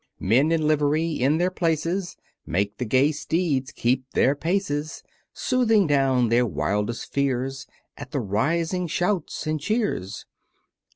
Men in livery, in their places, Make the gay steeds keep their paces, Soothing down their wildest fears At the rising shouts and cheers.